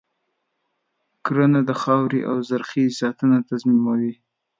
کرنه د خاورې د زرخیزۍ ساتنه تضمینوي.